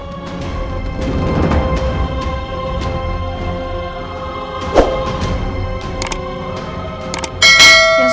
aku mau ngeliat